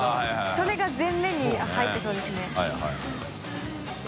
それが全面に入ってそうですね。